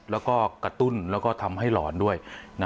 แล้วก็กระตุ้นแล้วก็ทำให้หลอนด้วย